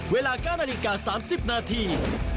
เวลา๙นาฬิกา๓๐นาที